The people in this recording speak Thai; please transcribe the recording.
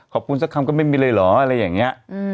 ขอบคุณซะคำก็ไม่มีเลยหรออะไรอย่างเนี่ย